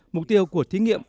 mục tiêu của thí nghiệm